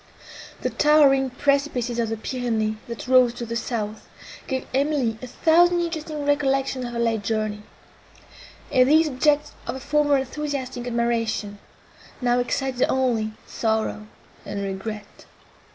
The towering precipices of the Pyrenees, that rose to the south, gave Emily a thousand interesting recollections of her late journey; and these objects of her former enthusiastic admiration, now excited only sorrow and regret.